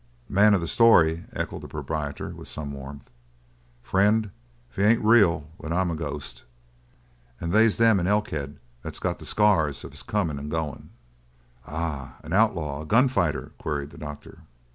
"Man of the story?" echoed the proprietor, with some warmth. "Friend, if he ain't real, then I'm a ghost. And they's them in Elkhead that's got the scars of his comin' and goin'." "Ah, an outlaw? A gunfighter?" queried the doctor.